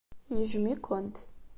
Yejjem-ikent.